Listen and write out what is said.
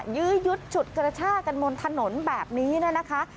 ยื้อยุดฉุดกระชากันบนถนนแบบนี้เนี่ยนะคะ